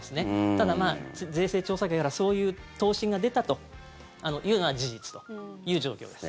ただ、税制調査会からそういう答申が出たというのは事実という状況です。